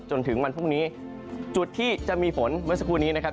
จุดที่จะมีฝนเมื่อสักครู่นี้นะครับ